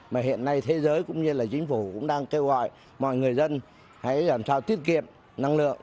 mà hiện nay thế giới cũng như là chính phủ cũng đang kêu gọi mọi người dân hãy làm sao tiết kiệm năng lượng